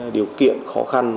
điều kiện khó khăn